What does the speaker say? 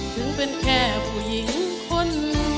ถึงเป็นแค่ผู้หญิงคน